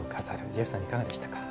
ジェフさん、いかがでしたか？